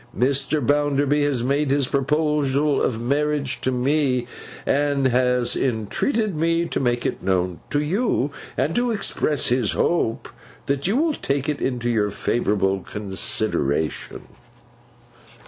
Mr. Bounderby has made his proposal of marriage to me, and has entreated me to make it known to you, and to express his hope that you will take it into your favourable consideration.